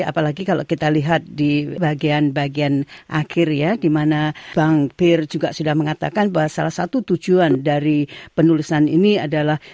apalagi kalau kita lihat di bagian bagian akhir ya di mana bang bir juga sudah mengatakan bahwa salah satu tujuan dari penulisan ini adalah